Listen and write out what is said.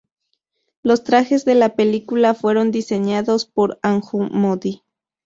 Los trajes de la película fueron diseñados por Anju Modi.